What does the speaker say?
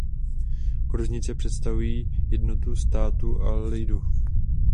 Kružnice představují jednotu státu a lidu.